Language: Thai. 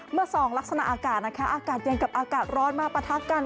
ส่องลักษณะอากาศนะคะอากาศเย็นกับอากาศร้อนมาปะทะกัน